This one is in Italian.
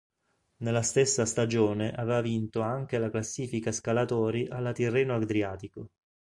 Nella stessa stagione aveva vinto anche la classifica scalatori alla Tirreno-Adriatico.